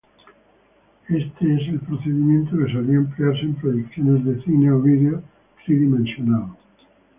Este es el procedimiento que solía emplearse en proyecciones de cine o video tridimensional.